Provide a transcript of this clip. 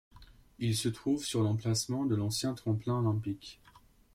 Il se trouve sur l'emplacement de l'ancien tremplin olympique.